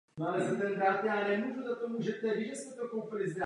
O dva roky později se vrátil do Albánie a začal pracovat jako tesař.